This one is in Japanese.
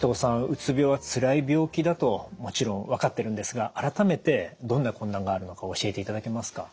うつ病はつらい病気だともちろん分かってるんですが改めてどんな困難があるのか教えていただけますか？